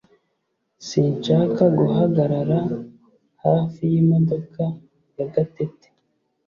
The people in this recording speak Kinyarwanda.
Sinshaka guhagarara hafi yimodoka ya Gatete